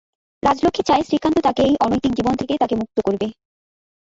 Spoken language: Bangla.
রাজলক্ষ্মী চায় শ্রীকান্ত তাকে এই অনৈতিক জীবন থেকে তাকে মুক্ত করবে।